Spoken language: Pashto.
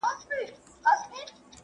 آیا خپل کار تر پردي کار اسانه دی؟